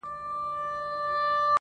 د دنیا له هر قدرت سره په جنګ یو-